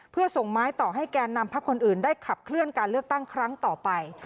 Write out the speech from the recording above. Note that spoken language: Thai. เพื่อส่งไม้ต่อให้แก่นำพักคนอื่นได้ขับเคลื่อนการเลือกตั้งครั้งต่อไป